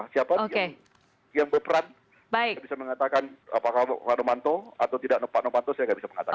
siapa yang berperan tidak bisa mengatakan apakah pak novanto atau tidak pak novanto saya nggak bisa mengatakan